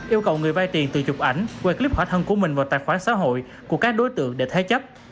yêu cầu người bay tiền từ chục ảnh quay clip khỏa thân của mình vào tài khoản xã hội của các đối tượng để thay chấp